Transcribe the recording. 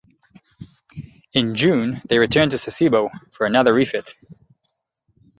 In June, they returned to Sasebo for another refit.